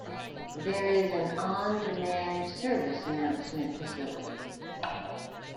There is an on-demand service announcement facility.